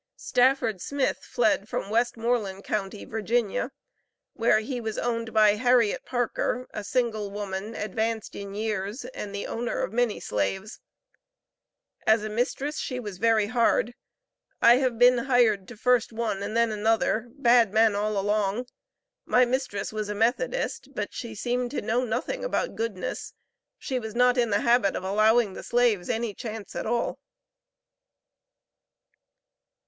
Stafford Smith fled from Westmoreland county, Virginia, where he was owned by Harriet Parker, a single woman, advanced in years, and the owner of many slaves "As a mistress, she was very hard. I have been hired to first one and then another, bad man all along. My mistress was a Methodist, but she seemed to know nothing about goodness. She was not in the habit of allowing the slaves any chance at all."